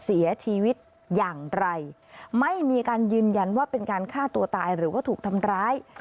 เสียชีวิตอย่างไรไม่มีการยืนยันว่าเป็นการฆ่าตัวตายหรือว่าถูกทำร้าย